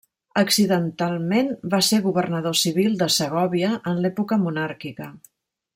Accidentalment va ser Governador Civil de Segòvia en l'època monàrquica.